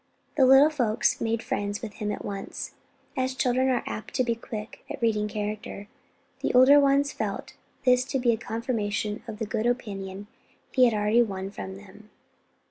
The little folks made friends with him at once, and as children are apt to be quick at reading character, the older ones felt this to be a confirmation of the good opinion he had already won from them.